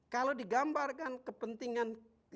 kalau digambarkan kepentingan